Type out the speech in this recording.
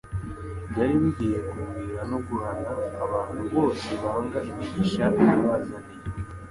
byari bigiye kugwira no guhana abantu bose banga imigisha yabazaniye.